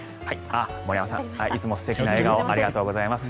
森山さん、いつも素敵な笑顔ありがとうございます。